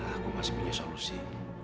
aku masih punya solusi